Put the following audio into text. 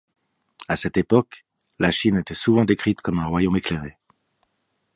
À cette époque, la Chine était souvent décrite comme un royaume éclairé.